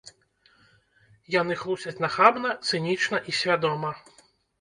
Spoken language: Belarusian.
Яны хлусяць нахабна, цынічна і свядома.